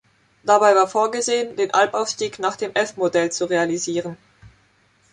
Dabei war vorgesehen, den Albaufstieg nach dem F-Modell zu realisieren.